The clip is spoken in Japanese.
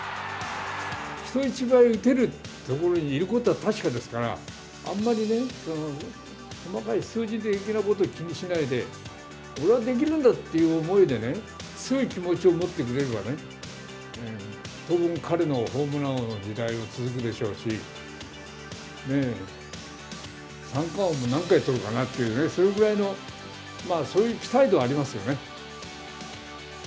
人一倍打てるところにいることは確かですから、あんまりね、細かい数字は気にしないで、俺はできるんだっていう思いでね、強い気持ちを持ってくれれば、当分彼のホームラン王の時代は続くでしょうし、三冠王も何回取るかなという、それぐらいの、そういう期待度はありますよね。